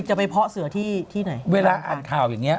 จะไปเพาะเสือที่ไหน